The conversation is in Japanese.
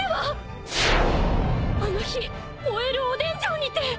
あの日燃えるおでん城にて。